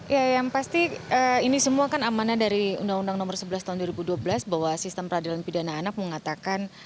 ya yang pasti ini semua kan amanah dari undang undang nomor sebelas tahun dua ribu dua belas bahwa sistem peradilan pidana anak mengatakan